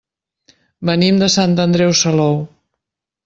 Venim de Sant Andreu Salou.